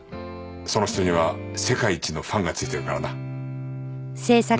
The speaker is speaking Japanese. その人には世界一のファンがついてるからな。なあ？